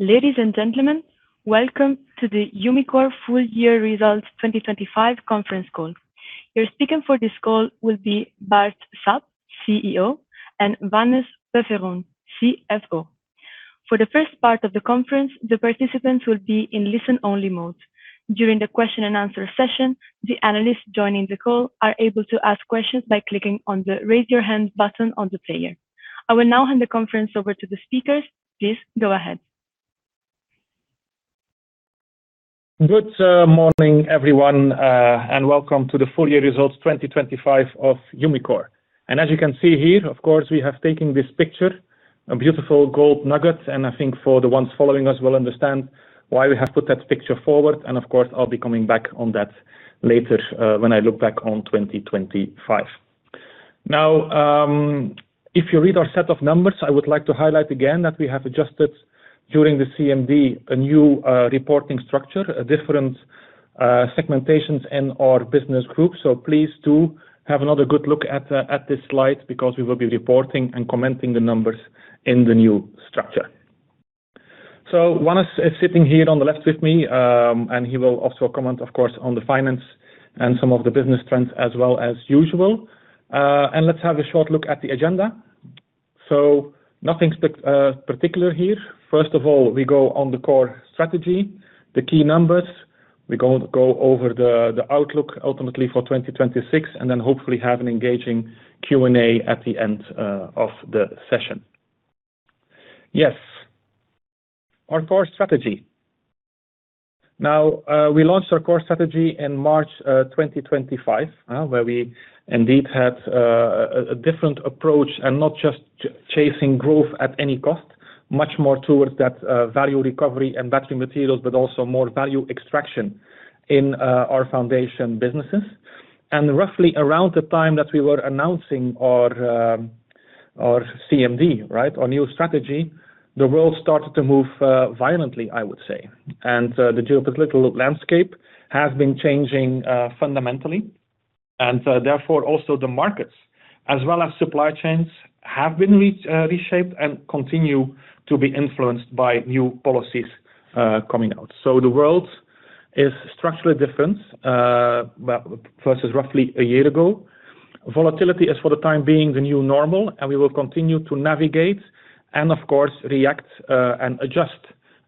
Ladies and gentlemen, welcome to the Umicore Full Year Results 2025 Conference Call. Your speaker for this call will be Bart Sap, CEO, and Wannes Peferoen, CFO. For the first part of the conference, the participants will be in listen-only mode. During the question and answer session, the analysts joining the call are able to ask questions by clicking on the Raise Your Hand button on the player. I will now hand the conference over to the speakers. Please go ahead. Good morning, everyone, and welcome to the Full Year Results 2025 of Umicore. And as you can see here, of course, we have taken this picture, a beautiful gold nugget, and I think for the ones following us will understand why we have put that picture forward. And of course, I'll be coming back on that later, when I look back on 2025. Now, if you read our set of numbers, I would like to highlight again that we have adjusted during the CMD, a new reporting structure, a different segmentations in our business groups. So please do have another good look at at this slide, because we will be reporting and commenting the numbers in the new structure. So Wannes is sitting here on the left with me, and he will also comment, of course, on the finance and some of the business trends as well as usual. And let's have a short look at the agenda. So nothing particular here. First of all, we go on the core strategy, the key numbers. We go over the outlook, ultimately for 2026, and then hopefully have an engaging Q&A at the end of the session. Yes. Our core strategy. Now, we launched our core strategy in March 2025, where we indeed had a different approach and not just chasing growth at any cost, much more towards that value recovery and battery materials, but also more value extraction in our foundation businesses. Roughly around the time that we were announcing our CMD, right? Our new strategy, the world started to move, I would say, violently. The geopolitical landscape has been changing fundamentally, and therefore, also the markets, as well as supply chains, have been reshaped and continue to be influenced by new policies coming out. The world is structurally different, well, versus roughly a year ago. Volatility is, for the time being, the new normal, and we will continue to navigate and, of course, react and adjust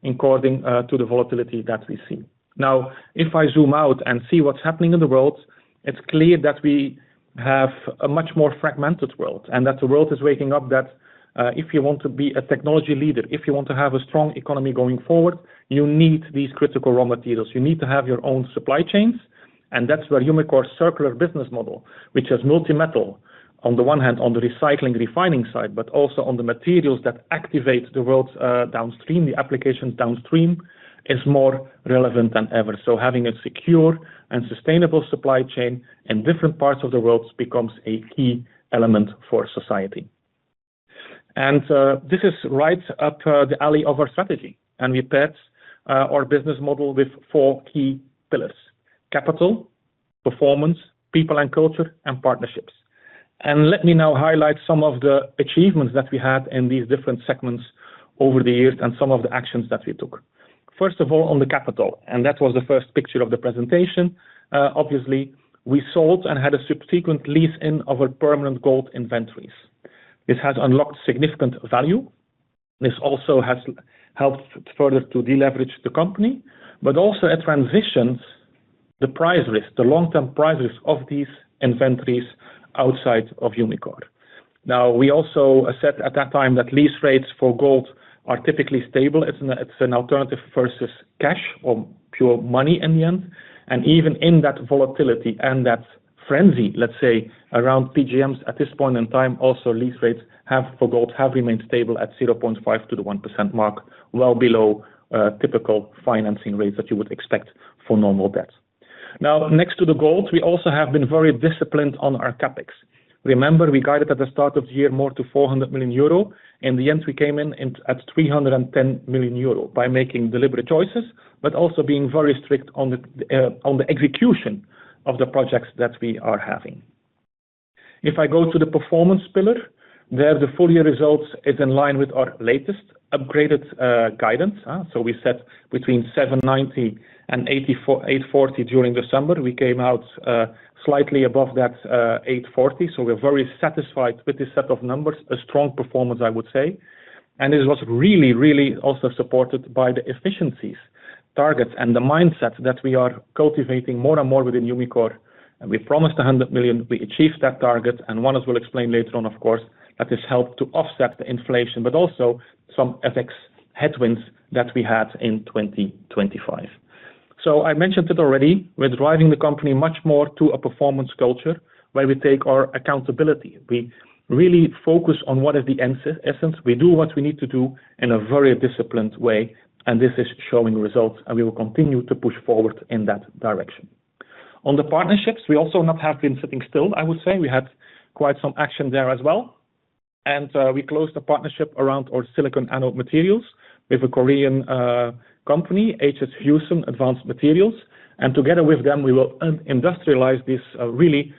according to the volatility that we see. Now, if I zoom out and see what's happening in the world, it's clear that we have a much more fragmented world, and that the world is waking up that, if you want to be a technology leader, if you want to have a strong economy going forward, you need these critical raw materials. You need to have your own supply chains, and that's where Umicore's circular business model, which is multi-metal, on the one hand, on the Recycling, refining side, but also on the materials that activate the world's, you know, downstream, the applications downstream, is more relevant than ever. Having a secure and sustainable supply chain in different parts of the world becomes a key element for society. This is right up the alley of our strategy, and we paired our business model with four key pillars: capital, performance, people and culture, and partnerships. Let me now highlight some of the achievements that we had in these different segments over the years and some of the actions that we took. First of all, on the capital, and that was the first picture of the presentation. Obviously, we sold and had a subsequent lease in our permanent gold inventories. This has unlocked significant value. This also has helped further to deleverage the company, but also it transitions the price risk, the long-term price risk of these inventories outside of Umicore. Now, we also said at that time that lease rates for gold are typically stable. It's an alternative versus cash or pure money in the end, and even in that volatility and that frenzy, let's say, around PGMs at this point in time, also, lease rates for gold have remained stable at 0.5%-1%, well below typical financing rates that you would expect for normal debt. Now, next to the gold, we also have been very disciplined on our CapEx. Remember, we guided at the start of the year more to 400 million euro. In the end, we came in at 310 million euro by making deliberate choices, but also being very strict on the execution of the projects that we are having. If I go to the performance pillar, there, the full year results is in line with our latest upgraded guidance. We set between 790 million and 840 million during the summer. We came out, slightly above that, 840 million, so we're very satisfied with this set of numbers. A strong performance, I would say. It was really, really also supported by the efficiencies, targets, and the mindsets that we are cultivating more and more within Umicore. We promised 100 million. We achieved that target, and Wannes will explain later on, of course, that this helped to offset the inflation, but also some FX headwinds that we had in 2025. I mentioned it already. We're driving the company much more to a performance culture, where we take our accountability. We really focus on what is the essence. We do what we need to do in a very disciplined way, and this is showing results, and we will continue to push forward in that direction. On the partnerships, we also not have been sitting still, I would say. We had quite some action there as well, and we closed a partnership around our silicon anode materials with a Korean company, HS Hyosung Advanced Materials, and together with them, we will industrialize this really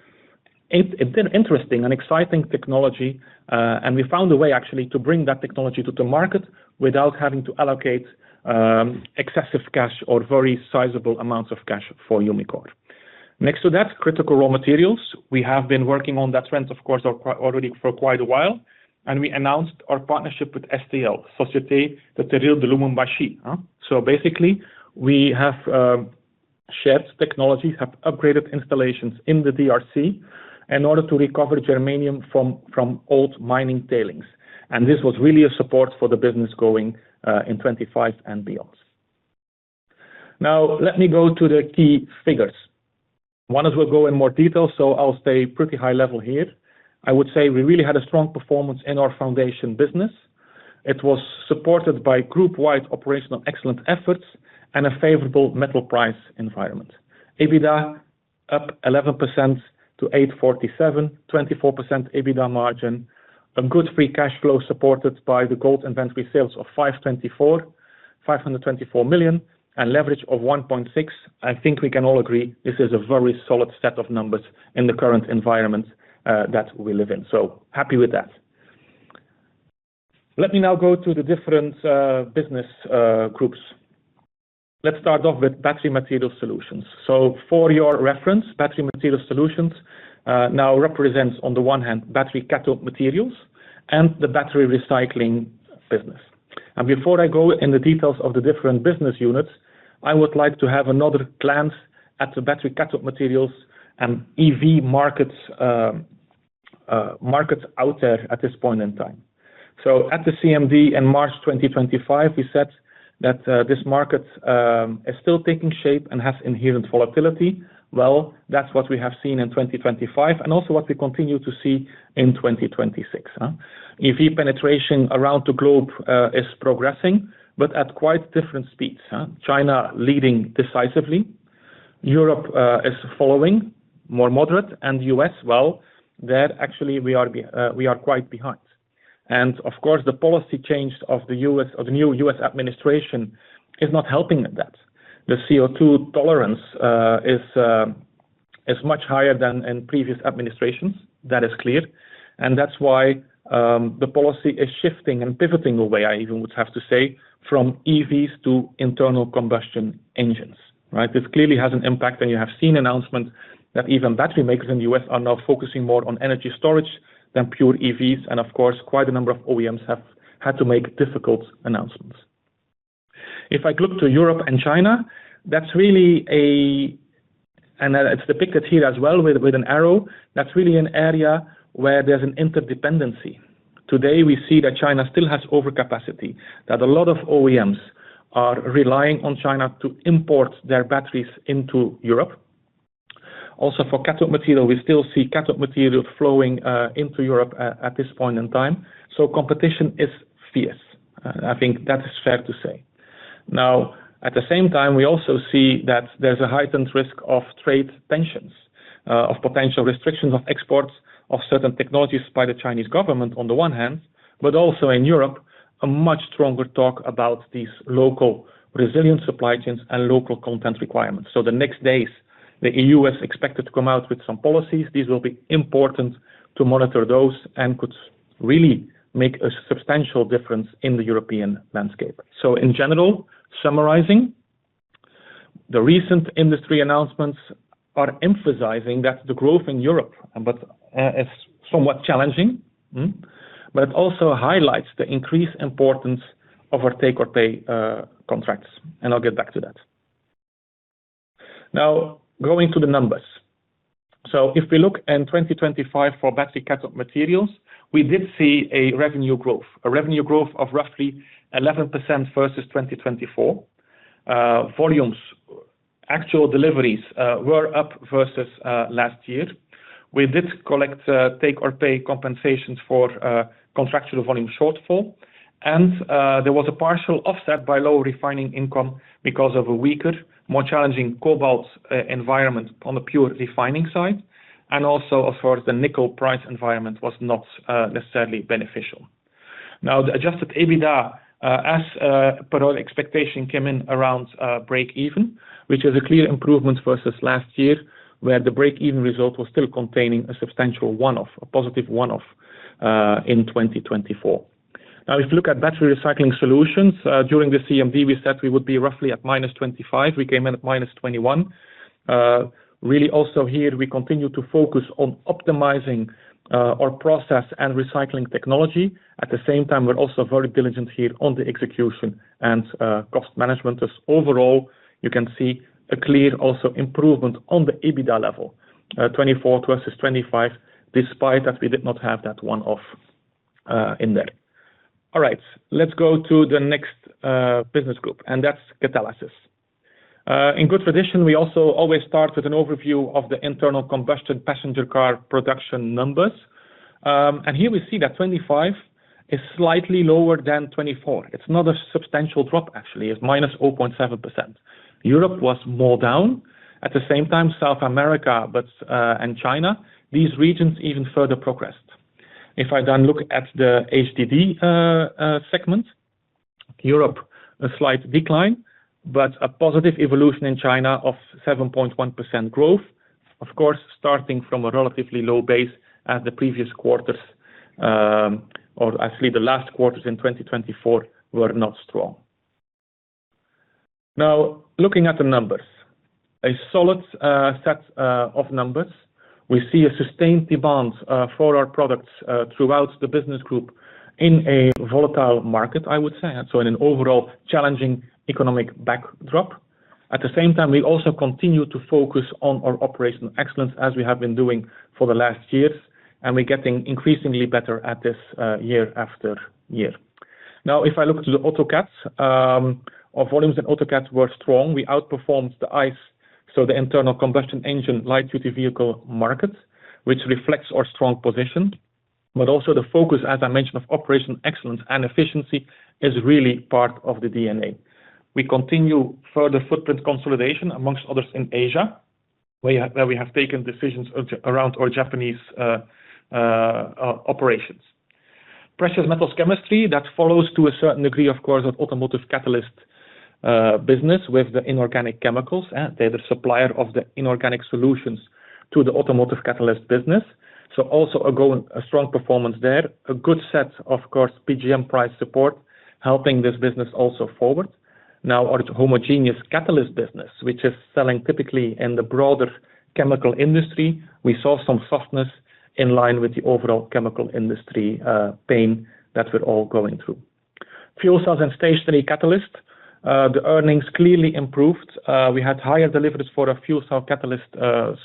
interesting and exciting technology, and we found a way actually to bring that technology to the market without having to allocate excessive cash or very sizable amounts of cash for Umicore. Next to that, critical raw materials. We have been working on that front, of course, already for quite a while, and we announced our partnership with STL, Société pour le Traitement du Terril de Lubumbashi. So basically, we have shared technologies have upgraded installations in the DRC in order to recover germanium from old mining tailings. And this was really a support for the business growing in 2025 and beyond. Now, let me go to the key figures. Wannes we'll go in more detail, so I'll stay pretty high level here. I would say we really had a strong performance in our foundation business. It was supported by group-wide operational excellent efforts and a favorable metal price environment. EBITDA up 11% to 847 million, 24% EBITDA margin, a good free cash flow supported by the gold inventory sales of 524 million, and leverage of 1.6x. I think we can all agree this is a very solid set of numbers in the current environment that we live in. So happy with that. Let me now go to the different business groups. Let's start off with Battery Materials Solutions. So for your reference, Battery Materials Solutions now represents, on the one hand, Battery Cathode Materials and the battery Recycling business. Before I go in the details of the different business units, I would like to have another glance at the Battery Cathode Materials and EV markets, markets out there at this point in time. So at the CMD in March 2025, we said that this market is still taking shape and has inherent volatility. Well, that's what we have seen in 2025 and also what we continue to see in 2026. EV penetration around the globe is progressing, but at quite different speeds. China leading decisively, Europe is following more moderate, and U.S., well, there actually we are quite behind. And of course, the policy change of the U.S., of the new U.S. administration is not helping with that. The CO2 tolerance is much higher than in previous administrations. That is clear, and that's why the policy is shifting and pivoting away, I even would have to say, from EVs to internal combustion engines, right? This clearly has an impact, and you have seen announcements that even battery makers in the U.S. are now focusing more on energy storage than pure EVs. And of course, quite a number of OEMs have had to make difficult announcements. If I look to Europe and China, that's really a—it’s depicted here as well with an arrow, that's really an area where there's an interdependency. Today, we see that China still has overcapacity, that a lot of OEMs are relying on China to import their batteries into Europe. Also, for cathode material, we still see cathode material flowing into Europe at this point in time. Competition is fierce. I think that is fair to say. At the same time, we also see that there's a heightened risk of trade tensions, of potential restrictions of exports of certain technologies by the Chinese government on the one hand, but also in Europe, a much stronger talk about these local resilient supply chains and local content requirements. The next days, the E.U. is expected to come out with some policies. These will be important to monitor and could really make a substantial difference in the European landscape. In general, summarizing, the recent industry announcements are emphasizing the growth in Europe, but is somewhat challenging. It also highlights the increased importance of our take-or-pay contracts, and I'll get back to that. Now, going to the numbers. If we look in 2025 for Battery Cathode Materials, we did see a revenue growth, a revenue growth of roughly 11% versus 2024. Volumes, actual deliveries, were up versus last year. We did collect take-or-pay compensations for contractual volume shortfall. There was a partial offset by lower refining income because of a weaker, more challenging cobalt environment on the pure refining side. Also, of course, the nickel price environment was not necessarily beneficial. Now, the adjusted EBITDA, as per our expectation, came in around breakeven, which is a clear improvement versus last year, where the breakeven result was still containing a substantial one-off, a positive one-off, in 2024. Now, if you look at Battery Recycling Solutions, during the CMD, we said we would be roughly at -25. We came in at -21. Really also here, we continue to focus on optimizing our process and recycling technology. At the same time, we're also very diligent here on the execution and cost management. As overall, you can see a clear also improvement on the EBITDA level, 2024 versus 2025, despite that, we did not have that one-off in there. All right. Let's go to the next business group, and that's Catalysis. In good tradition, we also always start with an overview of the internal combustion passenger car production numbers. Here we see that 2025 is slightly lower than 2024. It's not a substantial drop, actually, it's -0.7%. Europe was more down. At the same time, South America and China, these regions even further progressed. If I then look at the HDD segment, Europe, a slight decline, but a positive evolution in China of 7.1% growth. Of course, starting from a relatively low base at the previous quarters, or actually, the last quarters in 2024 were not strong. Now, looking at the numbers, a solid set of numbers. We see a sustained demand for our products throughout the business group in a volatile market, I would say, in an overall challenging economic backdrop. At the same time, we also continue to focus on our operational excellence as we have been doing for the last years, and we're getting increasingly better at this year after year. Now, if I look to the autocats, our volumes in autocats were strong. We outperformed the ICE, so the internal combustion engine, light-duty vehicle market, which reflects our strong position, but also the focus, as I mentioned, of operational excellence and efficiency is really part of the DNA. We continue further footprint consolidation, amongst others in Asia, where we have taken decisions around our Japanese operations. Precious metals chemistry, that follows to a certain degree, of course, with Automotive Catalyst business, with the inorganic chemicals. They're the supplier of the inorganic solutions to the Automotive Catalyst business. So also a growing, a strong performance there. A good set, of course, PGM price support, helping this business also forward. Now, our homogeneous catalyst business, which is selling typically in the broader chemical industry, we saw some softness in line with the overall chemical industry pain that we're all going through. Fuel cells and stationary catalysts, the earnings clearly improved. We had higher deliveries for our fuel cell catalyst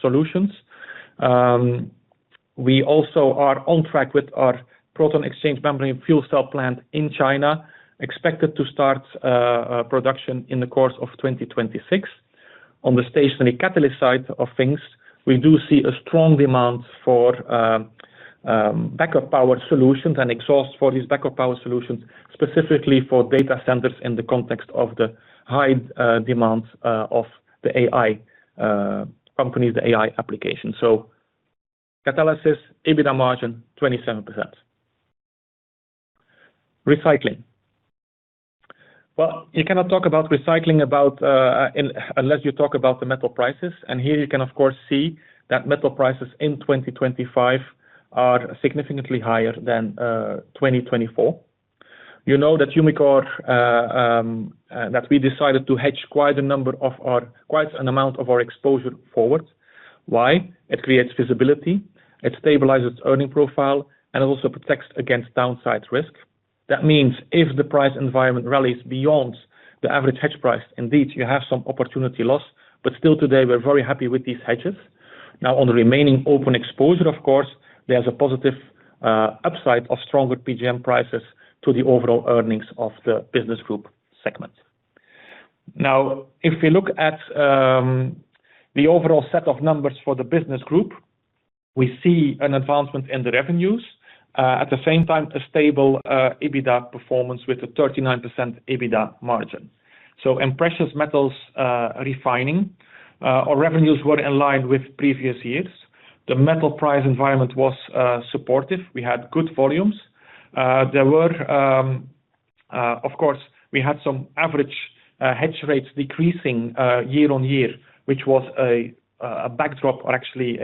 solutions. We also are on track with our proton exchange membrane fuel cell plant in China, expected to start production in the course of 2026. On the stationary catalyst side of things, we do see a strong demand for backup power solutions and exhaust for these backup power solutions, specifically for data centers in the context of the high demands of the AI companies, the AI application. Catalysis, EBITDA margin, 27%. Recycling. Well, you cannot talk about Recycling, unless you talk about the metal prices, and here you can of course, see that metal prices in 2025 are significantly higher than 2024. You know, that Umicore, that we decided to hedge quite a number of our—quite an amount of our exposure forward. Why? It creates visibility, it stabilizes earning profile, and it also protects against downside risk. That means if the price environment rallies beyond the average hedge price, indeed, you have some opportunity loss, but still today, we're very happy with these hedges. Now, on the remaining open exposure, of course, there's a positive upside of stronger PGM prices to the overall earnings of the business group segment. Now, if we look at the overall set of numbers for the business group, we see an advancement in the revenues at the same time, a stable EBITDA performance with a 39% EBITDA margin. So in Precious Metals Refining, our revenues were in line with previous years. The metal price environment was supportive. We had good volumes. There were, of course, we had some average hedge rates decreasing year-on-year, which was a backdrop or actually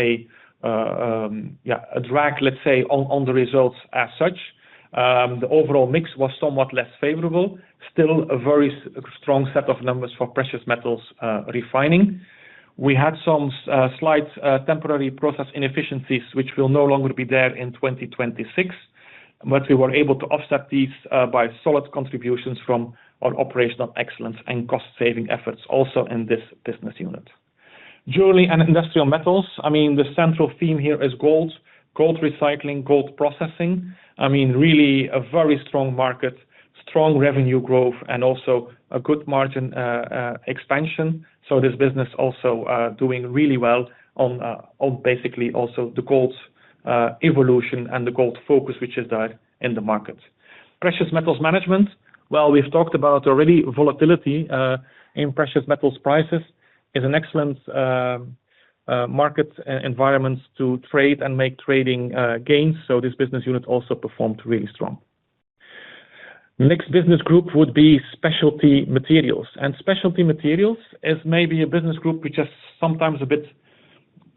a yeah, a drag, let's say, on the results as such. The overall mix was somewhat less favorable. Still a very strong set of numbers for Precious Metals Refining. We had some slight temporary process inefficiencies which will no longer be there in 2026, but we were able to offset these by solid contributions from our operational excellence and cost-saving efforts also in this business unit. Jewelry and Industrial Metals, I mean, the central theme here is gold, gold recycling, gold processing. I mean, really a very strong market, strong revenue growth, and also a good margin expansion. So this business also doing really well on, on basically also the gold's evolution and the gold focus, which is there in the market. Precious Metals Management. Well, we've talked about already volatility in precious metals prices is an excellent market environments to trade and make trading gains, so this business unit also performed really strong. Next business group would be Specialty Materials, and Specialty Materials is maybe a business group which is sometimes a bit,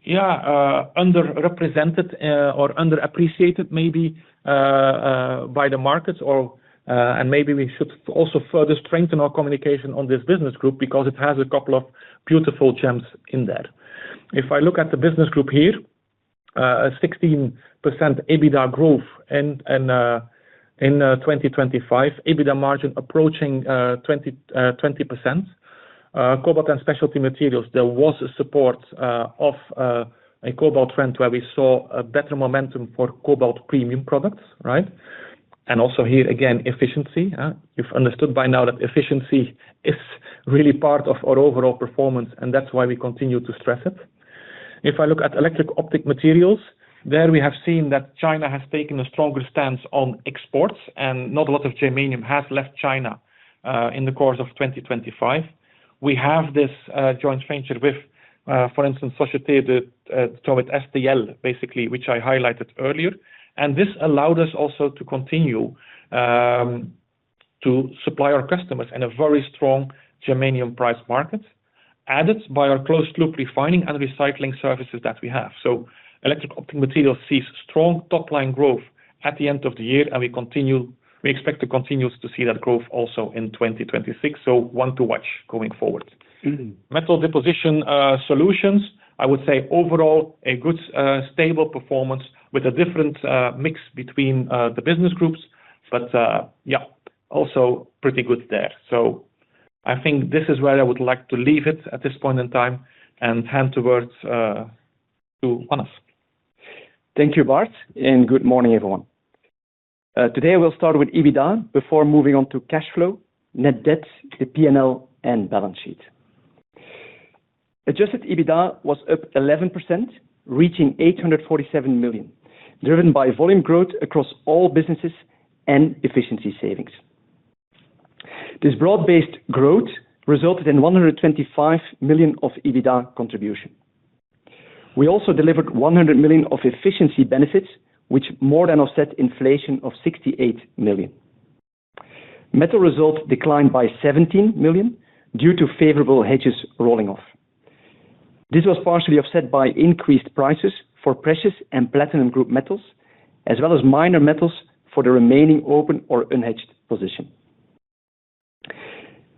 yeah, underrepresented or underappreciated maybe by the markets or, and maybe we should also further strengthen our communication on this business group because it has a couple of beautiful gems in there. If I look at the business group here, a 16% EBITDA growth in 2025. EBITDA margin approaching 20%. Cobalt and Specialty Materials, there was a support of a cobalt trend where we saw a better momentum for cobalt premium products, right? And also here, again, efficiency. You've understood by now that efficiency is really part of our overall performance, and that's why we continue to stress it. If I look at Electro-Optic Materials, there we have seen that China has taken a stronger stance on exports, and not a lot of germanium has left China in the course of 2025. We have this joint venture with, for instance, Société with STL, basically, which I highlighted earlier. And this allowed us also to continue to supply our customers in a very strong germanium price market, aided by our closed-loop refining and recycling services that we have. So Electro-Optic Materials sees strong top-line growth at the end of the year, and we expect to continue to see that growth also in 2026, so one to watch going forward. Metal Deposition Solutions, I would say overall, a good, stable performance with a different, mix between, the business groups, but, yeah, also pretty good there. So I think this is where I would like to leave it at this point in time and hand towards to Wannes. Thank you, Bart, and good morning, everyone. Today, we'll start with EBITDA before moving on to cash flow, net debt, the P&L, and balance sheet. Adjusted EBITDA was up 11%, reaching 847 million, driven by volume growth across all businesses and efficiency savings. This broad-based growth resulted in 125 million of EBITDA contribution. We also delivered 100 million of efficiency benefits, which more than offset inflation of 68 million. Metal results declined by 17 million due to favorable hedges rolling off. This was partially offset by increased prices for precious and platinum group metals, as well as minor metals for the remaining open or unhedged position.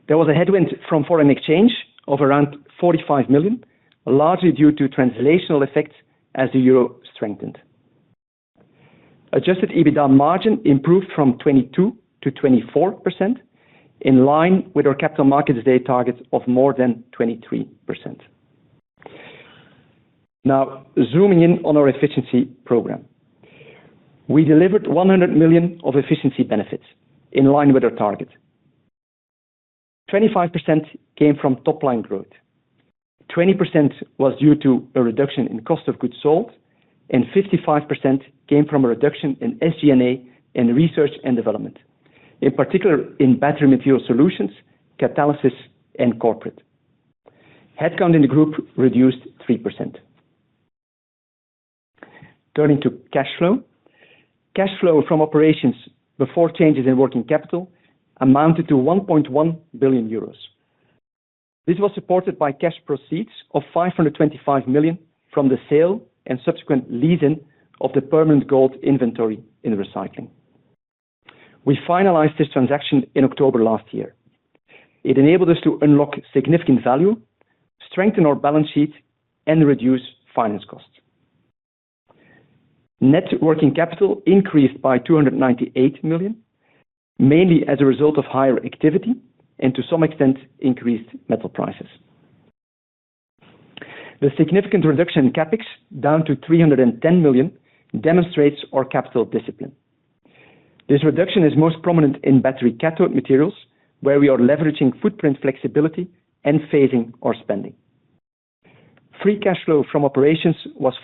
There was a headwind from foreign exchange of around 45 million, largely due to translational effects as the euro strengthened. Adjusted EBITDA margin improved from 22% to 24%, in line with our Capital Markets Day targets of more than 23%. Now, zooming in on our efficiency program. We delivered 100 million of efficiency benefits in line with our target. 25% came from top-line growth, 20% was due to a reduction in cost of goods sold, and 55% came from a reduction in SG&A in research and development, in particular in Battery Material Solutions, Catalysis, and Corporate. Headcount in the group reduced 3%. Turning to cash flow. Cash flow from operations before changes in working capital amounted to 1.1 billion euros. This was supported by cash proceeds of 525 million from the sale and subsequent leasing of the permanent gold inventory in Recycling. We finalized this transaction in October last year. It enabled us to unlock significant value, strengthen our balance sheet, and reduce finance costs. Net working capital increased by 298 million, mainly as a result of higher activity and to some extent, increased metal prices. The significant reduction in CapEx, down to 310 million, demonstrates our capital discipline. This reduction is most prominent in Battery Cathode Materials, where we are leveraging footprint flexibility and phasing our spending. Free cash flow from operations was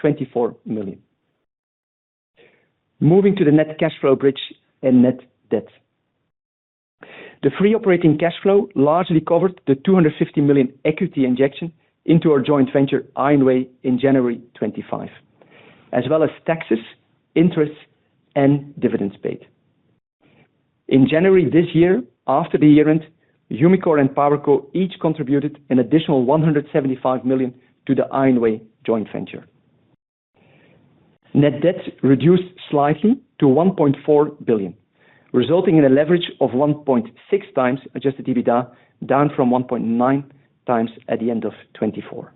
524 million. Moving to the net cash flow bridge and net debt. The free operating cash flow largely covered the 250 million equity injection into our joint venture, IONWAY, in January 2025, as well as taxes, interest, and dividends paid. In January this year, after the year-end, Umicore and PowerCo each contributed an additional 175 million to the IONWAY joint venture. Net debt reduced slightly to 1.4 billion, resulting in a leverage of 1.6x adjusted EBITDA, down from 1.9x at the end of 2024.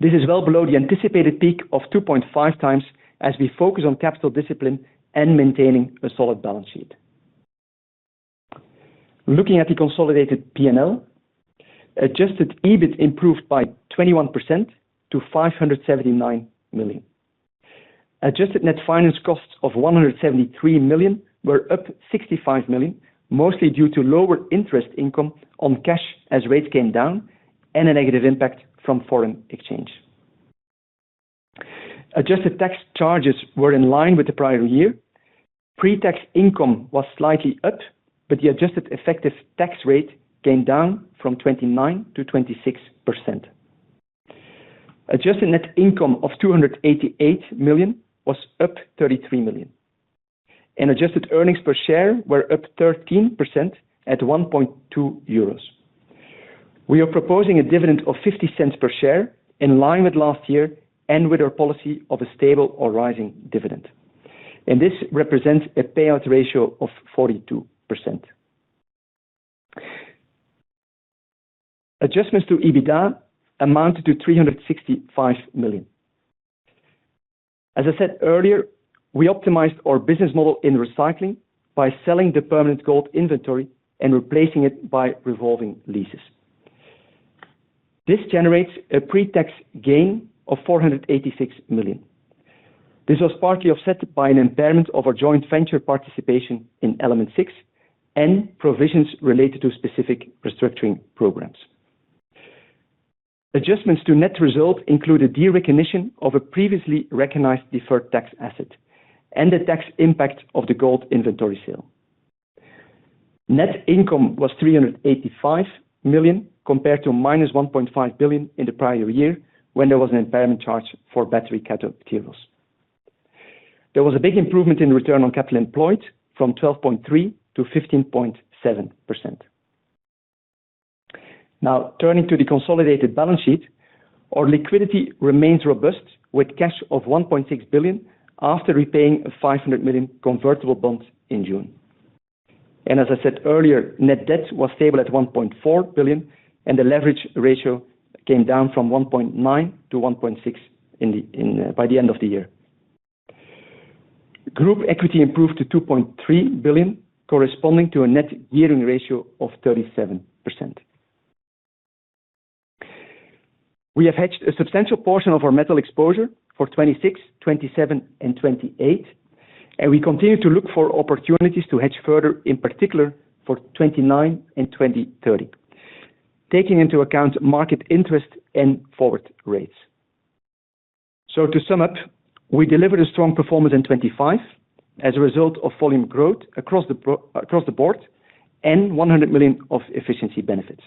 This is well below the anticipated peak of 2.5x as we focus on capital discipline and maintaining a solid balance sheet. Looking at the consolidated P&L, adjusted EBIT improved by 21% to 579 million. Adjusted net finance costs of 173 million were up 65 million, mostly due to lower interest income on cash as rates came down and a negative impact from foreign exchange. Adjusted tax charges were in line with the prior year. Pre-tax income was slightly up, but the adjusted effective tax rate came down from 29% to 26%. Adjusted net income of 288 million was up 33 million, and adjusted earnings per share were up 13% at 1.2 euros. We are proposing a dividend of 0.50 per share, in line with last year and with our policy of a stable or rising dividend. This represents a payout ratio of 42%. Adjustments to EBITDA amounted to 365 million. As I said earlier, we optimized our business model in Recycling by selling the permanent gold inventory and replacing it by revolving leases. This generates a pre-tax gain of 486 million. This was partly offset by an impairment of our joint venture participation in Element Six and provisions related to specific restructuring programs. Adjustments to net result include a derecognition of a previously recognized deferred tax asset and the tax impact of the gold inventory sale. Net income was 385 million, compared to -1.5 billion in the prior year, when there was an impairment charge for Battery Cathode Materials. There was a big improvement in return on capital employed from 12.3% to 15.7%. Now, turning to the consolidated balance sheet, our liquidity remains robust, with cash of 1.6 billion after repaying 500 million convertible bonds in June. And as I said earlier, net debt was stable at 1.4 billion, and the leverage ratio came down from 1.9x to 1.6x by the end of the year. Group equity improved to 2.3 billion, corresponding to a net gearing ratio of 37%. We have hedged a substantial portion of our metal exposure for 2026, 2027, and 2028, and we continue to look for opportunities to hedge further, in particular for 2029 and 2030, taking into account market interest and forward rates. So to sum up, we delivered a strong performance in 2025 as a result of volume growth across across the board and 100 million of efficiency benefits.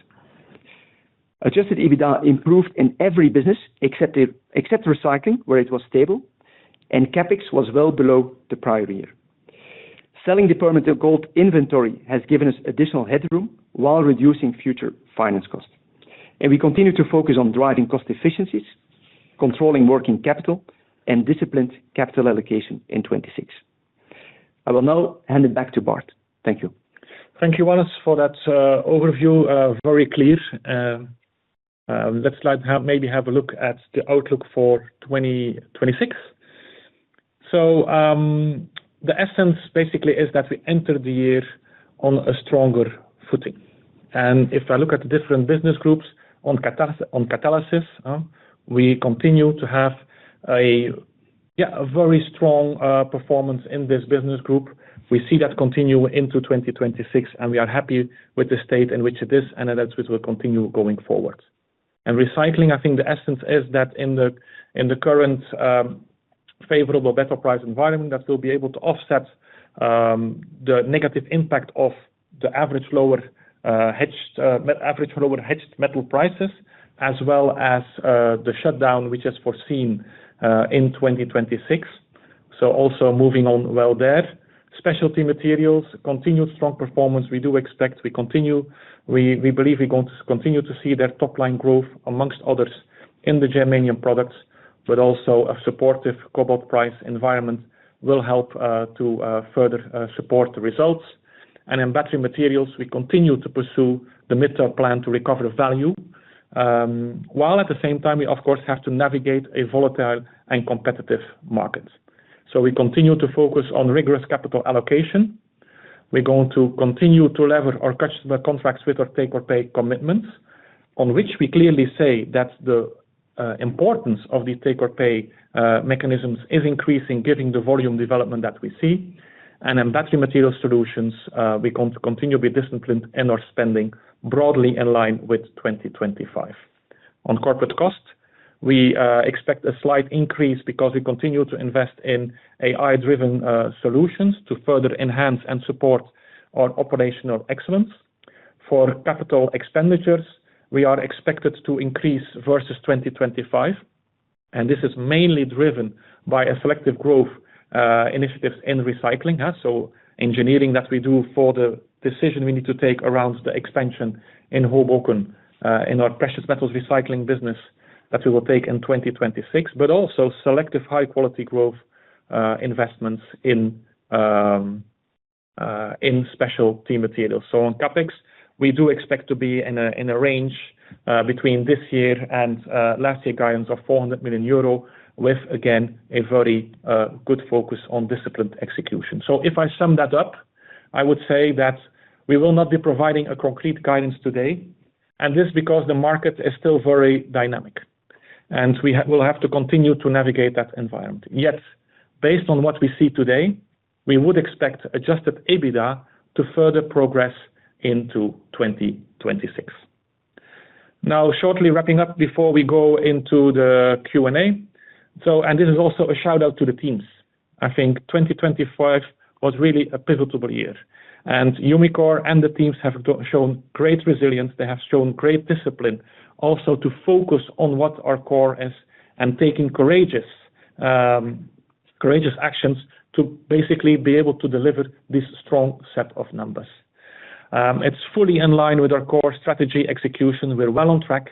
Adjusted EBITDA improved in every business, except Recycling, where it was stable, and CapEx was well below the prior year. Selling the permanent gold inventory has given us additional headroom while reducing future finance costs, and we continue to focus on driving cost efficiencies, controlling working capital, and disciplined capital allocation in 2026. I will now hand it back to Bart. Thank you. Thank you, Wannes, for that, overview. Very clear. Let's maybe have a look at the outlook for 2026. So, the essence basically is that we enter the year on a stronger footing, and if I look at the different business groups on Catalysis, we continue to have a, yeah, a very strong performance in this business group. We see that continue into 2026, and we are happy with the state in which it is, and that's which will continue going forward. And Recycling, I think the essence is that in the current favorable metal price environment, that we'll be able to offset the negative impact of the average lower hedged metal prices, as well as the shutdown, which is foreseen in 2026. So also moving on well there. Specialty Materials, continued strong performance. We expect to continue to see their top line growth amongst others in the germanium products, but also a supportive cobalt price environment will help to further support the results. And in Battery Materials, we continue to pursue the mid-term plan to recover the value, while at the same time we of course have to navigate a volatile and competitive markets. So we continue to focus on rigorous capital allocation. We're going to continue to lever our customer contracts with our take-or-pay commitments, on which we clearly say that the importance of the take-or-pay mechanisms is increasing given the volume development that we see. And in Battery Materials, we continue to be disciplined in our spending, broadly in line with 2025. On Corporate costs, we expect a slight increase because we continue to invest in AI-driven solutions to further enhance and support our operational excellence. For capital expenditures, we are expected to increase versus 2025, and this is mainly driven by a selective growth initiatives in Recycling. So engineering that we do for the decision we need to take around the expansion in Hoboken in our precious metals recycling business, that we will take in 2026, but also selective high quality growth investments in Specialty Materials. So on CapEx, we do expect to be in a range between this year and last year guidance of 400 million euro, with, again, a very good focus on disciplined execution. So if I sum that up, I would say that we will not be providing a concrete guidance today, and this is because the market is still very dynamic, and we have—we'll have to continue to navigate that environment. Yet, based on what we see today, we would expect adjusted EBITDA to further progress into 2026. Now, shortly wrapping up before we go into the Q&A. And this is also a shout-out to the teams. I think 2025 was really a pivotable year, and Umicore and the teams have shown great resilience. They have shown great discipline, also to focus on what our core is, and taking courageous actions to basically be able to deliver this strong set of numbers. It's fully in line with our core strategy execution. We're well on track.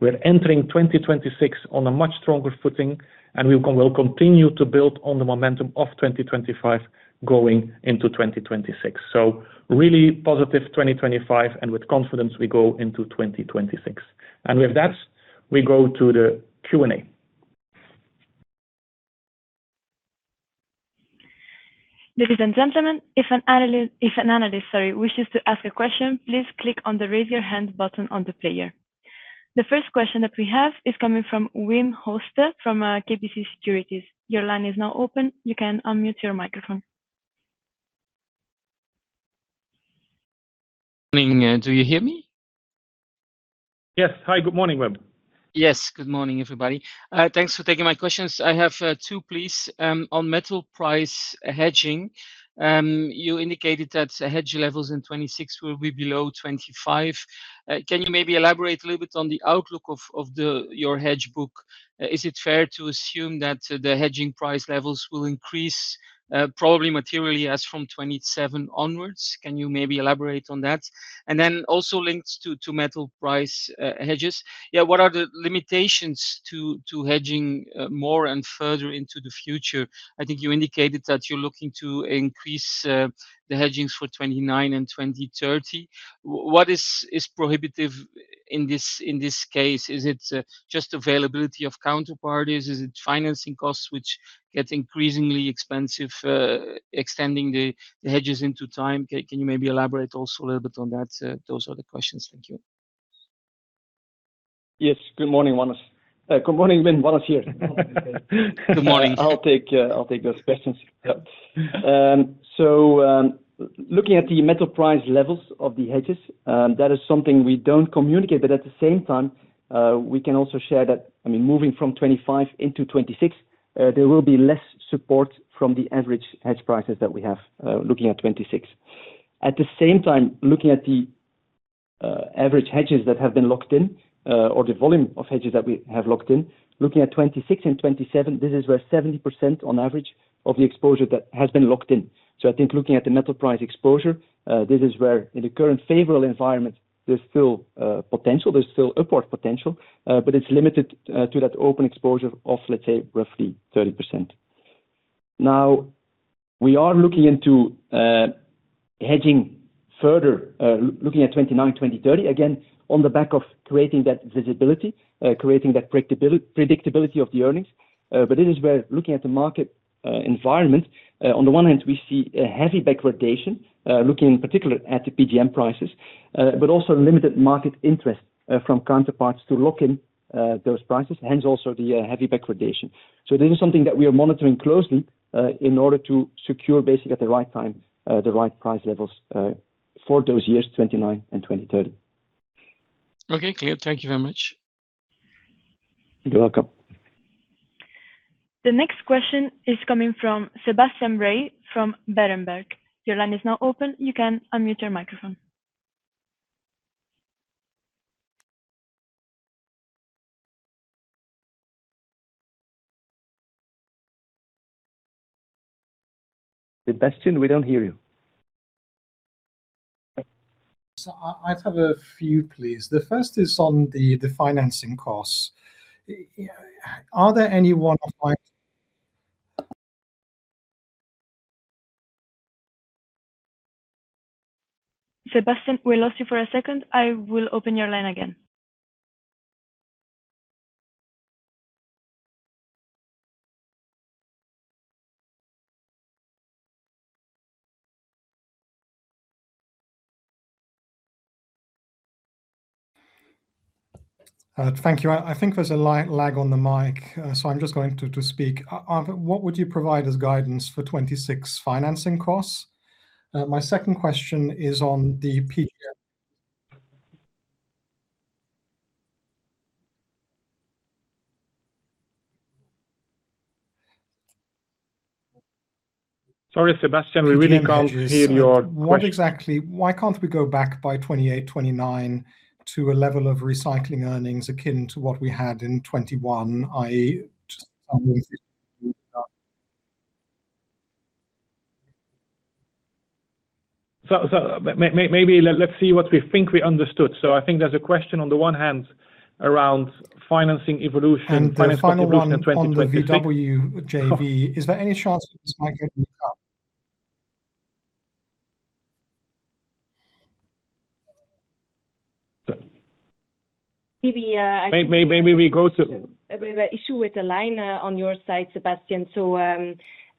We're entering 2026 on a much stronger footing, and we will continue to build on the momentum of 2025, going into 2026. So really positive 2025, and with confidence, we go into 2026. And with that, we go to the Q&A. Ladies and gentlemen, if an analyst, if an analyst, sorry, wishes to ask a question, please click on the Raise Your Hand button on the player. The first question that we have is coming from Wim Hoste, from KBC Securities. Your line is now open. You can unmute your microphone. Good morning, do you hear me? Yes. Hi, good morning, Wim. Yes, good morning, everybody. Thanks for taking my questions. I have two, please. On metal price hedging, you indicated that hedge levels in 2026 will be below 2025. Can you maybe elaborate a little bit on the outlook of the—your hedge book? Is it fair to assume that the hedging price levels will increase, probably materially as from 2027 onwards? Can you maybe elaborate on that? And then also linked to, to metal price hedges, yeah, what are the limitations to hedging more and further into the future? I think you indicated that you're looking to increase, the hedgings for 2029 and 2030. What is prohibitive in this case? Is it just availability of counterparties? Is it financing costs, which get increasingly expensive extending the hedges into time? Can you maybe elaborate also a little bit on that? Those are the questions. Thank you. Yes. Good morning, Wannes. Good morning, Wim. Wannes here. Good morning. I'll take, I'll take those questions. Yep. So, looking at the metal price levels of the hedges, that is something we don't communicate, but at the same time, we can also share that, I mean, moving from 2025 into 2026, there will be less support from the average hedge prices that we have, looking at 2026. At the same time, looking at the average hedges that have been locked in, or the volume of hedges that we have locked in, looking at 2026 and 2027, this is where 70% on average of the exposure that has been locked in. So I think looking at the metal price exposure, this is where in the current favorable environment, there's still potential, there's still upward potential, but it's limited to that open exposure of, let's say, roughly 30%. Now, we are looking into hedging further, looking at 2029, 2030, again, on the back of creating that visibility, creating that predictability of the earnings. But this is where looking at the market environment, on the one hand, we see a heavy backwardation, looking in particular at the PGM prices, but also limited market interest from counterparts to lock in those prices, hence also the heavy backwardation. So this is something that we are monitoring closely, in order to secure basically at the right time the right price levels for those years, 2029 and 2030. Okay, clear. Thank you very much. You're welcome. The next question is coming from Sebastian Bray from Berenberg. Your line is now open. You can unmute your microphone. Sebastian, we don't hear you. I have a few, please. The first is on the financing costs. Are there any one of my— Sebastian, we lost you for a second. I will open your line again. Thank you. I think there's a lag on the mic, so I'm just going to speak. What would you provide as guidance for 2026 financing costs? Uh, my second question is on the PG— Sorry, Sebastian, we really can't hear your question. Why can't we go back by 2028, 2029 to a level of Recycling earnings akin to what we had in 2021, i.e., just-? So, maybe let's see what we think we understood. So, I think there's a question on the one hand around financing evolution. The final one on the VW JV. Is there any chance this might get up? Maybe, I think- Maybe we go to- We have an issue with the line on your side, Sebastian, so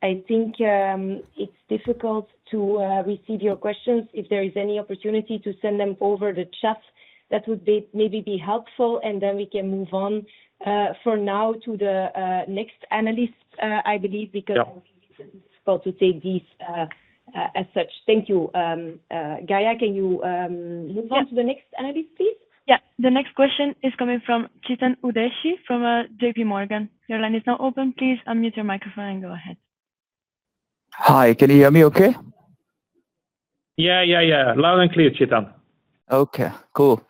I think it's difficult to receive your questions. If there is any opportunity to send them over the chat, that would maybe be helpful, and then we can move on for now to the next analyst. Yeah I believe, because it's difficult to take these as such. Thank you. Gaia, can you move on? Yeah To the next analyst, please? Yeah. The next question is coming from Chetan Udeshi from JPMorgan. Your line is now open. Please unmute your microphone and go ahead. Hi, can you hear me okay? Yeah, yeah, yeah. Loud and clear, Chetan. Okay, cool.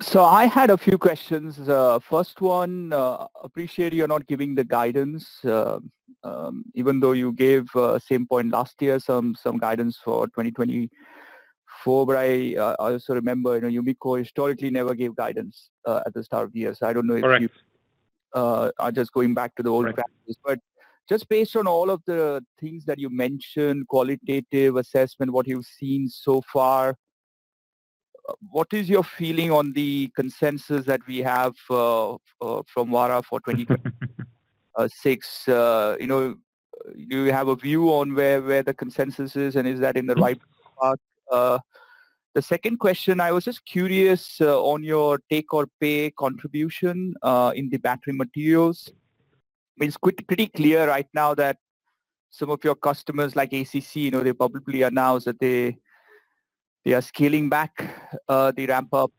So I had a few questions. First one, appreciate you're not giving the guidance, even though you gave same point last year, some guidance for 2024. But I also remember, you know, Umicore historically never gave guidance at the start of the year. So I don't know if— Correct... are just going back to the old practices. Right. But just based on all of the things that you mentioned, qualitative assessment, what you've seen so far, what is your feeling on the consensus that we have from Vara for 2026? You know, do you have a view on where the consensus is, and is that in the right part? The second question, I was just curious on your take-or-pay contribution in the Battery Materials. It's pretty, pretty clear right now that some of your customers, like ACC, you know, they publicly announced that they, they are scaling back the ramp-up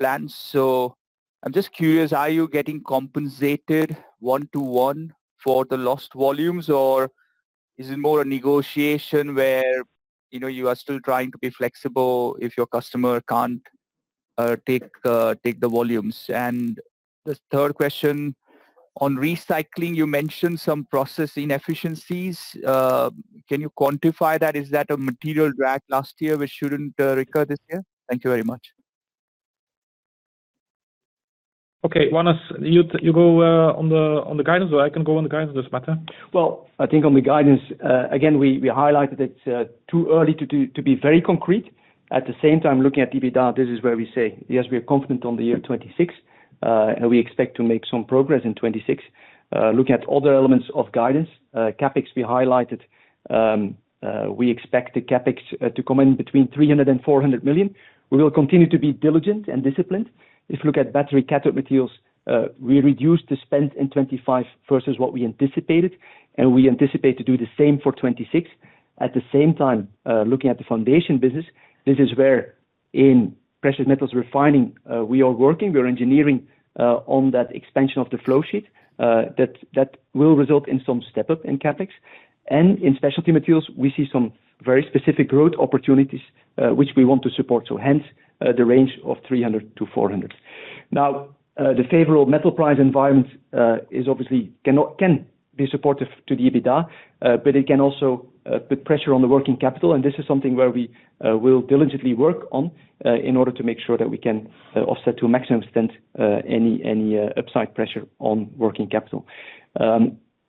plans. So I'm just curious, are you getting compensated one-to-one for the lost volumes, or is it more a negotiation where, you know, you are still trying to be flexible if your customer can't take the volumes? And the third question, on Recycling, you mentioned some process inefficiencies. Can you quantify that? Is that a material drag last year, which shouldn't recur this year? Thank you very much. Okay, Wannes, you go on the guidance, or I can go on the guidance. It doesn't matter. Well, I think on the guidance, again, we highlighted it's too early to be very concrete. At the same time, looking at EBITDA, this is where we say, yes, we are confident on the year 2026, and we expect to make some progress in 2026. Looking at other elements of guidance, CapEx, we highlighted—we expect the CapEx to come in between 300 million and 400 million. We will continue to be diligent and disciplined. If you look at Battery Cathode Materials, we reduced the spend in 2025 versus what we anticipated, and we anticipate to do the same for 2026. At the same time, looking at the foundation business, this is where in precious metals refining, we are working. We are engineering on that expansion of the flow sheet that will result in some step up in CapEx. In Specialty Materials, we see some very specific growth opportunities which we want to support, so hence the range of 300 million-400. Now, the favorable metal price environment is obviously can be supportive to the EBITDA, but it can also put pressure on the working capital, and this is something where we will diligently work on in order to make sure that we can offset to a maximum extent any upside pressure on working capital.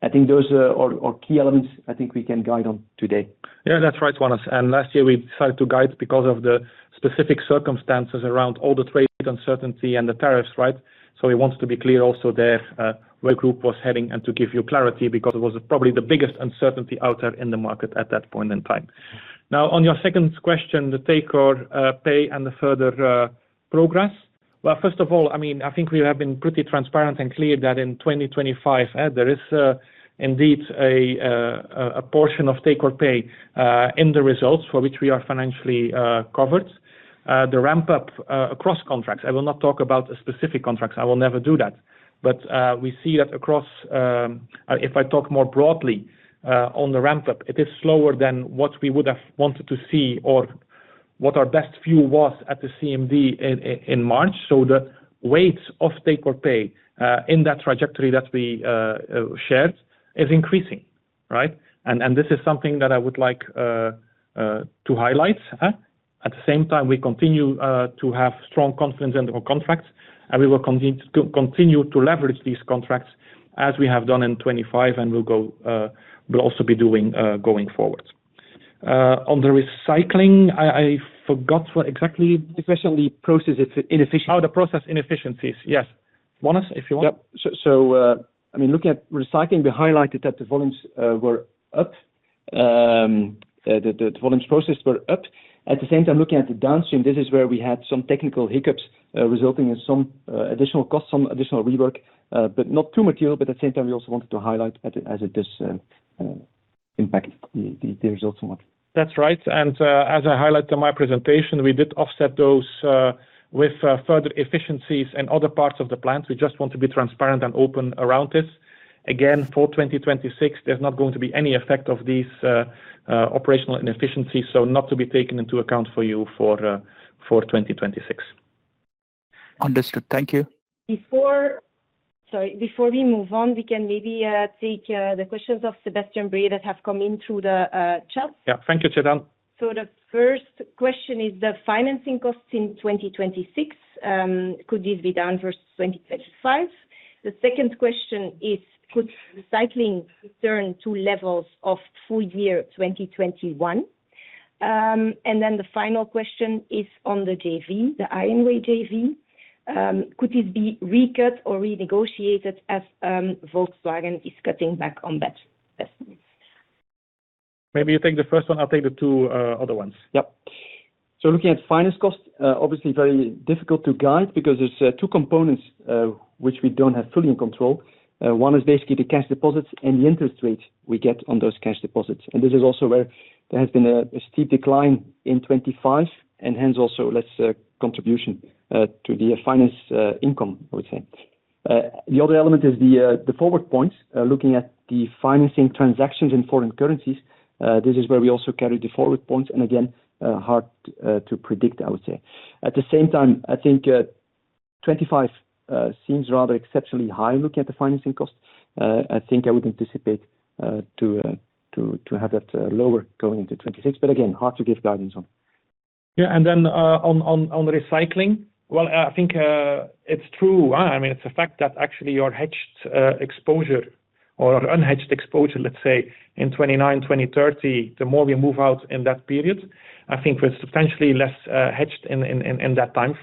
I think those are key elements I think we can guide on today. Yeah, that's right, Wannes. Last year we decided to guide because of the specific circumstances around all the trade uncertainty and the tariffs, right? So we want to be clear also there—where group was heading and to give you clarity, because it was probably the biggest uncertainty out there in the market at that point in time. Now, on your second question, the take-or-pay and the further progress. Well, first of all, I mean, I think we have been pretty transparent and clear that in 2025, there is indeed a portion of take-or-pay in the results for which we are financially covered. The ramp up across contracts, I will not talk about specific contracts. I will never do that. But we see that across—if I talk more broadly, on the ramp-up, it is slower than what we would have wanted to see or what our best view was at the CMD in March. So the weight of take-or-pay, in that trajectory that we shared is increasing, right? And this is something that I would like to highlight. At the same time, we continue to have strong confidence in our contracts, and we will continue to leverage these contracts as we have done in 2025, and we'll also be doing going forward. On the Recycling, I forgot what exactly. Especially the process inefficient- Oh, the process inefficiencies. Yes. Wannes, if you want. Yep. So, I mean, looking at Recycling, we highlighted that the volumes were up, the volumes processed were up. At the same time, looking at the downstream, this is where we had some technical hiccups, resulting in some additional costs, some additional rework, but not too material, but at the same time, we also wanted to highlight as it is impact the results a lot. That's right. And, as I highlighted in my presentation, we did offset those with further efficiencies in other parts of the plant. We just want to be transparent and open around this. Again, for 2026, there's not going to be any effect of these operational inefficiencies, so not to be taken into account for you for 2026. Understood. Thank you. Before—sorry, before we move on, we can maybe take the questions of Sebastian Bray that have come in through the chat. Yeah. Thank you, Chetan. The first question is the financing costs in 2026, could this be down versus 2025? The second question is, could recycling return to levels of full year 2021? Then the final question is on the JV, the IONWAY JV. Could this be recut or renegotiated as Volkswagen is cutting back on battery? Yes. Maybe you take the first one, I'll take the two other ones. Yep. So looking at finance costs, obviously very difficult to guide because there's two components which we don't have fully in control. One is basically the cash deposits and the interest rates we get on those cash deposits. And this is also where there has been a steep decline in 2025, and hence, also less contribution to the finance income, I would say. The other element is the forward points looking at the financing transactions in foreign currencies, this is where we also carry the forward points, and again, hard to predict I would say. At the same time, I think 2025 seems rather exceptionally high looking at the financing costs. I think I would anticipate to have that lower going into 2026, but again, hard to give guidance on. Yeah, and then, on Recycling, well, I think, it's true. I mean, it's a fact that actually your hedged exposure or unhedged exposure, let's say in 2029, 2030, the more we move out in that period, I think we're substantially less hedged in that time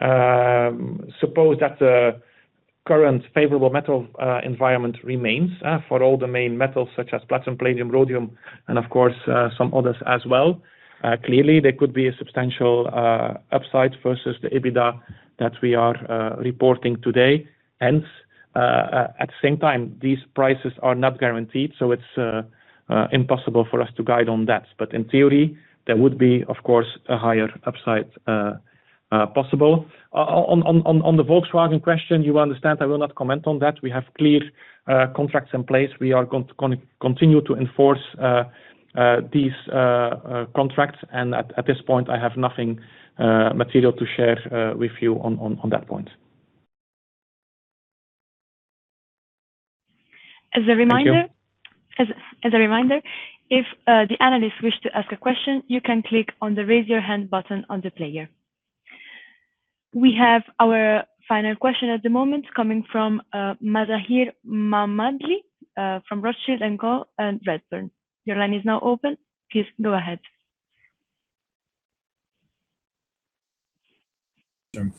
frame. Suppose that the current favorable metal environment remains, for all the main metals such as platinum, palladium, rhodium, and of course, some others as well, clearly, there could be a substantial upside versus the EBITDA that we are reporting today. At the same time, these prices are not guaranteed, so it's impossible for us to guide on that. But in theory, there would be, of course, a higher upside, possible. On the Volkswagen question, you understand, I will not comment on that. We have clear contracts in place. We are going to continue to enforce these contracts, and at this point, I have nothing material to share with you on that point. As a reminder. Thank you. As a reminder, if the analyst wish to ask a question, you can click on the Raise Your Hand button on the player. We have our final question at the moment coming from Mazahir Mammadli from Rothschild and Co. and Redburn. Your line is now open. Please go ahead.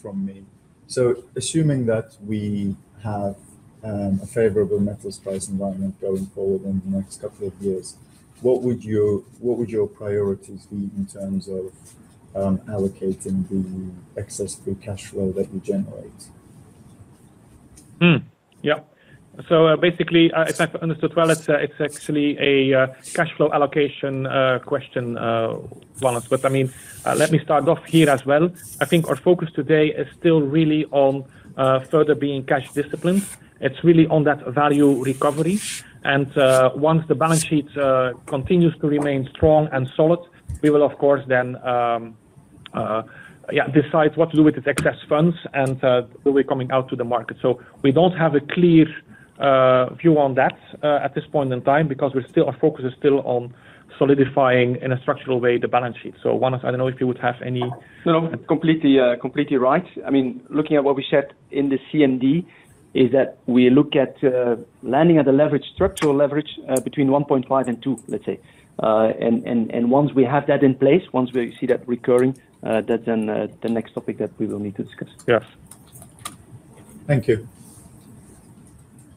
From me. So assuming that we have a favorable metals price environment going forward in the next couple of years, what would your priorities be in terms of allocating the excess free cash flow that you generate? Hmm. Yeah. So, basically, if I've understood well, it's actually a cash flow allocation question, Wannes. But I mean, let me start off here as well. I think our focus today is still really on further being cash disciplined. It's really on that value recovery. And, once the balance sheet continues to remain strong and solid, we will, of course, then, yeah, decide what to do with the excess funds and will be coming out to the market. So we don't have a clear view on that at this point in time because we're still—our focus is still on solidifying, in a structural way, the balance sheet. So, Wannes, I don't know if you would have any? No, completely, completely right. I mean, looking at what we said in the CMD, is that we look at landing at a leverage, structural leverage, between 1.5x and 2x, let's say. And once we have that in place, once we see that recurring, that's then the next topic that we will need to discuss. Yes. Thank you.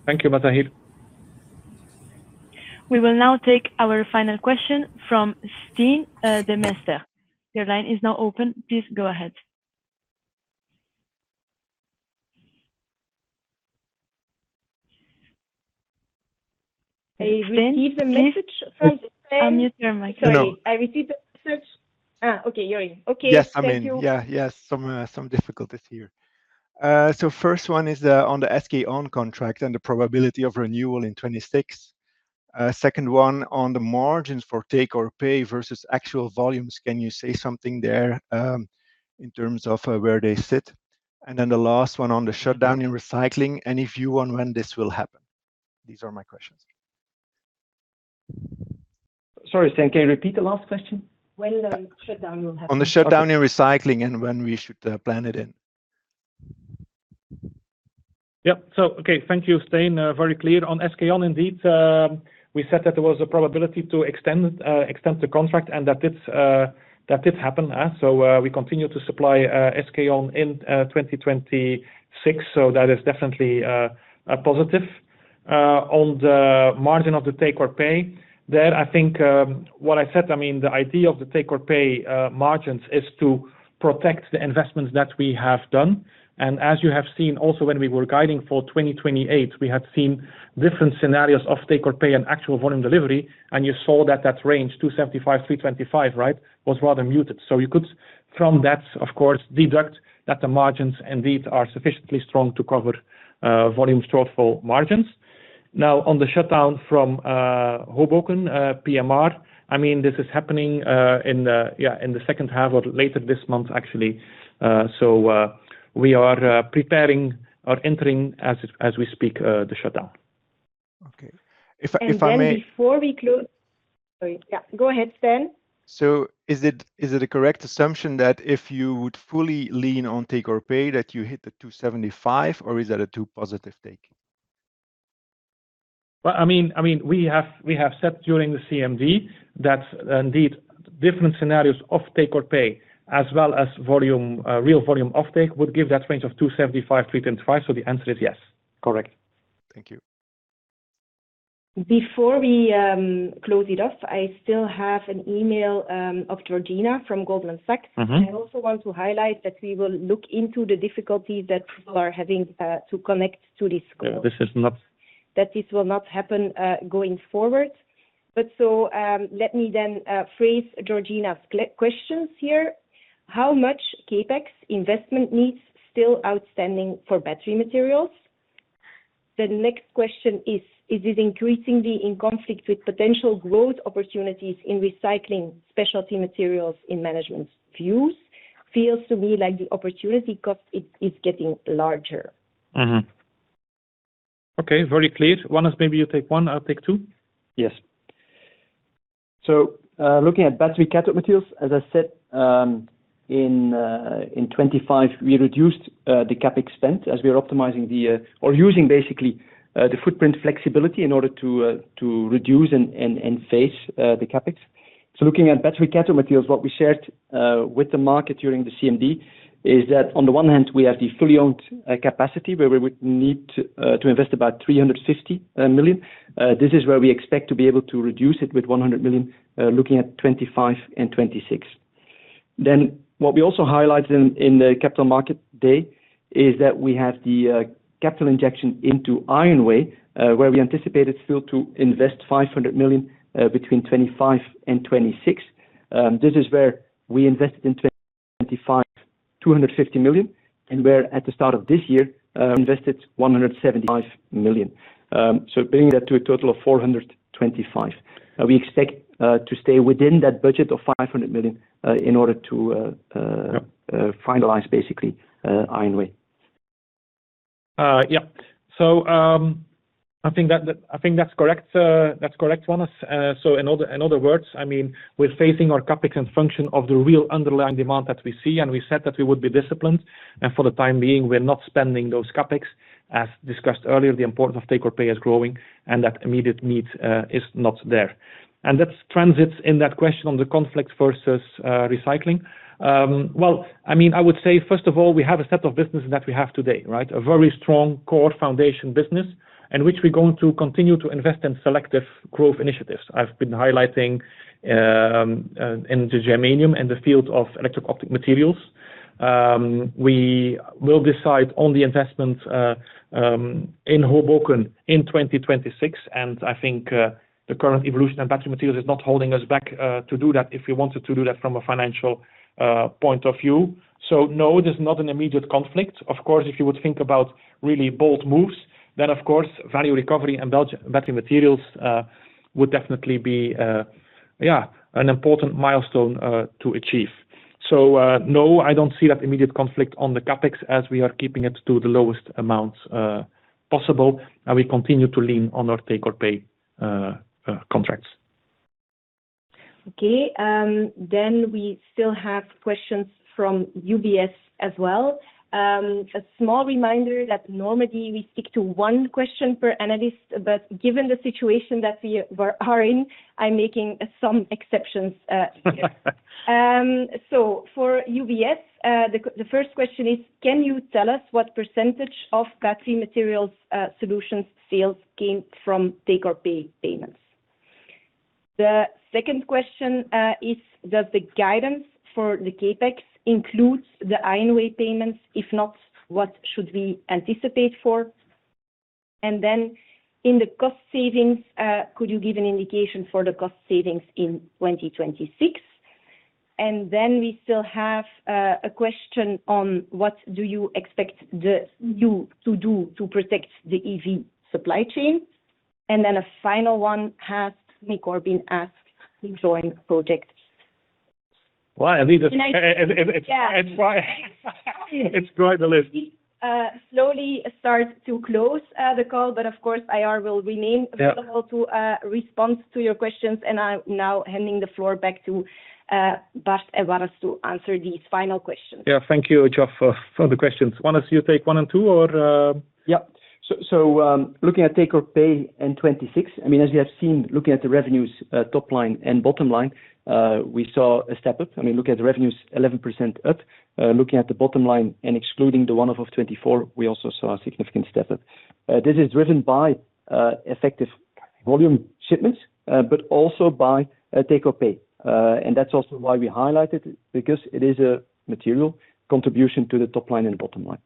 Thank you, Mazahir. We will now take our final question from Stijn Demeester. Your line is now open. Please go ahead. I received the message from Stijn. Unmute your microphone. Sorry. I received the message. Okay, you're in. Okay. Yes, I'm in. Thank you. Yeah, yes, some difficulties here. So first one is on the SK On contract and the probability of renewal in 2026. Second one, on the margins for take-or-pay versus actual volumes, can you say something there, in terms of where they sit? And then the last one on the shutdown in Recycling, any view on when this will happen? These are my questions. Sorry, Stijn, can you repeat the last question? When the shutdown will happen? On the shutdown in Recycling and when we should plan it in. Yeah. So okay, thank you, Stijn. Very clear. On SK On indeed, we said that there was a probability to extend the contract, and that did happen, somwe continue to supply SK On in 2026, so that is definitely a positive. On the margin of the take-or-pay, there, I think, what I said, I mean, the idea of the take-or-pay margins is to protect the investments that we have done. And as you have seen also when we were guiding for 2028, we had seen different scenarios of take-or-pay and actual volume delivery, and you saw that that range, 275 million-325 million, right, was rather muted. So you could, from that, of course, deduct that the margins indeed are sufficiently strong to cover volume shortfall margins. Now, on the shutdown from Hoboken, PMR, I mean, this is happening in the second half or later this month actually. So, we are preparing or entering, as we speak, the shutdown. Okay. If I may- And then before we close. Sorry. Yeah, go ahead, Stijn. So is it, is it a correct assumption that if you would fully lean on take-or-pay, that you hit the 275 million, or is that a too positive take? Well, I mean, I mean, we have, we have said during the CMD that indeed, different scenarios of take-or-pay, as well as volume, real volume offtake, would give that range of 275 million-325 million. So the answer is yes, correct. Thank you. Before we close it off, I still have an email of Georgina from Goldman Sachs. Mm-hmm. I also want to highlight that we will look into the difficulty that people are having to connect to this call. Yeah, this is not. That this will not happen, going forward. But so, let me then, phrase Georgina's questions here. How much CapEx investment needs still outstanding for battery materials? The next question is: Is this increasingly in conflict with potential growth opportunities in recycling specialty materials in management's views? Feels to me like the opportunity cost is getting larger. Mm-hmm. Okay, very clear. Wannes, maybe you take one, I'll take two. Yes. So, looking at Battery Cathode Materials, as I said, in 2025, we reduced the CapEx spend as we are optimizing or using basically the footprint flexibility in order to reduce and phase the CapEx. So looking at Battery Cathode Materials, what we shared with the market during the CMD is that on the one hand, we have the fully owned capacity, where we would need to invest about 350 million. This is where we expect to be able to reduce it with 100 million, looking at 2025 and 2026. Then what we also highlighted in the capital market day is that we have the capital injection into IONWAY, where we anticipated still to invest 500 million between 2025 and 2026. This is where we invested in 2025, 250 million, and where at the start of this year, invested 175 million. So bringing that to a total of 425 million. We expect to stay within that budget of 500 million, in order to finalize, basically, IONWAY. Yeah. I think that's correct, that's correct, Wannes. In other words, we're facing our CapEx in function of the real underlying demand that we see, and we said that we would be disciplined, and for the time being, we're not spending those CapEx. As discussed earlier, the importance of take-or-pay is growing and that immediate need is not there. That's transits in that question on the conflict versus Recycling. Well, I mean, I would say, first of all, we have a set of businesses that we have today, right? A very strong core foundation business, in which we're going to continue to invest in selective growth initiatives. I've been highlighting in the germanium and the field of Electro-Optic Materials. We will decide on the investment in Hoboken in 2026, and I think the current evolution of Battery Materials is not holding us back to do that, if we wanted to do that from a financial point of view. So no, there's not an immediate conflict. Of course, if you would think about really bold moves, then of course, value recovery and Battery Materials would definitely be an important milestone to achieve. So, no, I don't see that immediate conflict on the CapEx, as we are keeping it to the lowest amounts possible, and we continue to lean on our take-or-pay contracts. Okay, we still have questions from UBS as well. A small reminder that normally we stick to one question per analyst, but given the situation that we are in, I'm making some exceptions here. For UBS, the first question is, can you tell us what percentage of Battery Materials Solutions sales came from take-or-pay payments? The second question is, does the guidance for the CapEx include the IONWAY payments? If not, what should we anticipate for? In the cost savings, could you give an indication for the cost savings in 2026? We still have a question on what do you expect the E.U. to do to protect the EV supply chain? A final one, has Nick Orbin asked the joint projects. Well, I think it's quite the list. Slowly start to close the call, but of course, IR will remain available to respond to your questions, and I'm now handing the floor back to Bart and Wannes to answer these final questions. Yeah, thank you, [Jeff], for the questions. Juan, as you take one and two? Yeah. So, looking at take-or-pay in 2026, I mean, as you have seen, looking at the revenues, top line and bottom line, we saw a step up. I mean, looking at the revenues, 11% up. Looking at the bottom line and excluding the one of 2024, we also saw a significant step up. This is driven by effective volume shipments but also by take-or-pay. And that's also why we highlight it, because it is a material contribution to the top line and the bottom line.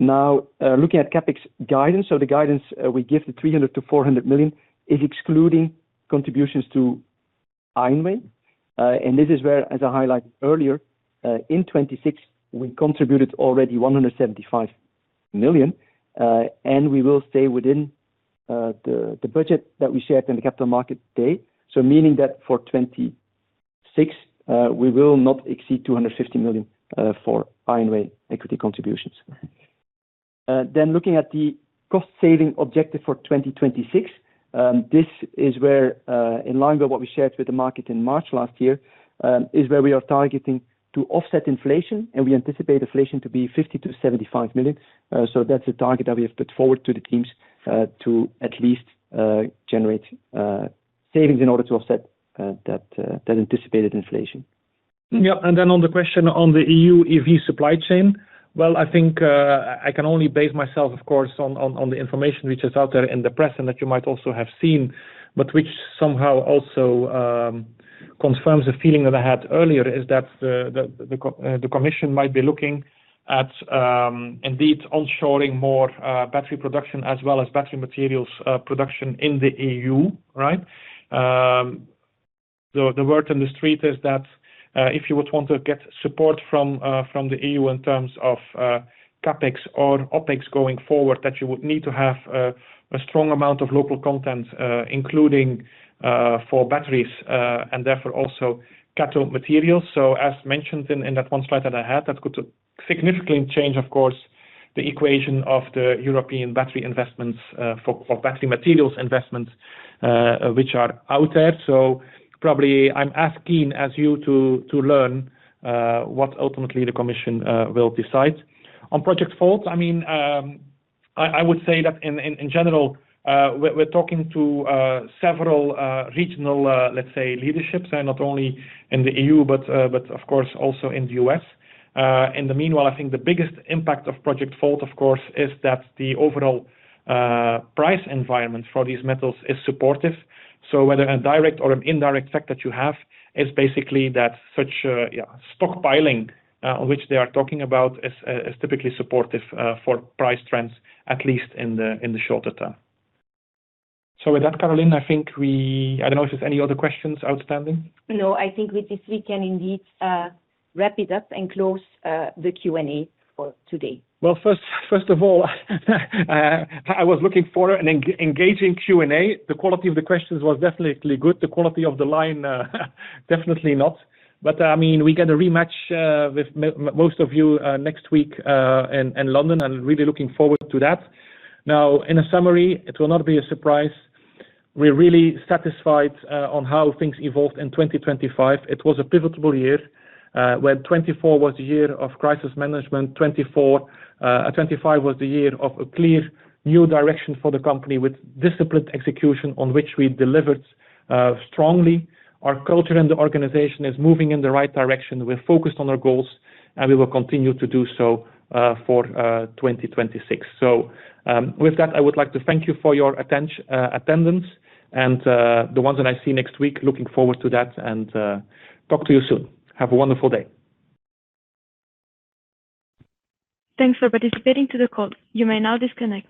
Now, looking at CapEx guidance, so the guidance we give the 300 million-400 million is excluding contributions to IONWAY. And this is where, as I highlighted earlier, in 2026, we contributed already 175 million, and we will stay within the budget that we set in the Capital Markets Day. So meaning that for 2026, we will not exceed 250 million for IONWAY equity contributions. Then looking at the cost-saving objective for 2026, this is where, in line with what we shared with the market in March last year, is where we are targeting to offset inflation, and we anticipate inflation to be 50 million-75 million. So that's the target that we have put forward to the teams, to at least generate savings in order to offset that anticipated inflation. Yeah, on the question on the E.U. EV supply chain. Well, I think I can only base myself, of course, on the information which is out there in the press and that you might also have seen, but which somehow also confirms the feeling that I had earlier, is that the Commission might be looking at, indeed, onshoring more battery production as well as battery materials production in the E.U., right? The word in the street is that if you would want to get support from the E.U. in terms of CapEx or OpEx going forward, that you would need to have a strong amount of local content, including for batteries, and therefore also cathode materials. As mentioned in that one slide that I had, that could significantly change, of course, the equation of the European battery investments, for battery materials investments, which are out there. Probably I'm as keen as you to learn what ultimately the Commission will decide. On Project Fold, I mean, I would say that in general, we're talking to several regional, let's say, leaderships, and not only in the E.U., but of course, also in the U.S. In the meanwhile, I think the biggest impact of Project Fold, of course, is that the overall price environment for these metals is supportive. So whether a direct or an indirect effect that you have is basically that such stockpiling, which they are talking about, is typically supportive for price trends, at least in the shorter term. So with that, Caroline, I think we—I don't know if there's any other questions outstanding? No, I think with this, we can indeed wrap it up and close the Q&A for today. Well, first of all, I was looking forward to an engaging Q&A. The quality of the questions was definitely good, the quality of the line definitely not. But I mean, we get a rematch with most of you next week in London. I'm really looking forward to that. Now, in a summary, it will not be a surprise. We're really satisfied on how things evolved in 2025. It was a pivotal year, where 2024 was the year of crisis management, 2024, 2025 was the year of a clear new direction for the company, with disciplined execution on which we delivered strongly. Our culture and the organization is moving in the right direction. We're focused on our goals, and we will continue to do so for 2026. Thank you for your attention, attendance, and the ones that I see next week, looking forward to that, and talk to you soon. Have a wonderful day. Thanks for participating to the call. You may now disconnect.